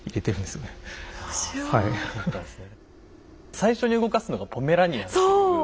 最初に動かすのがポメラニアンっていう。